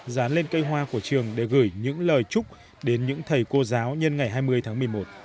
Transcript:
dán lên cây hoa của trường để gửi những lời chúc đến những thầy cô giáo nhân ngày hai mươi tháng một mươi một